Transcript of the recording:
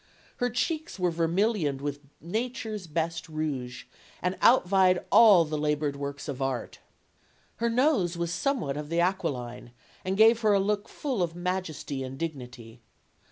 Her cheeks were vermilioned with nature's best rouge, and outvied all the labored works of art. Her nose was somewhat of the aquiline, and gave her a look full of majesty and dignity.